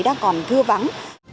đang còn thưa vắng